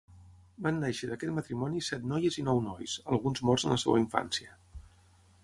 Van néixer d'aquest matrimoni set noies i nou nois, alguns morts en la seva infància.